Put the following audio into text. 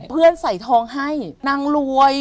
เพื่อนใส่ทองให้นางรวย